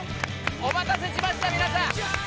お待たせしました皆さん！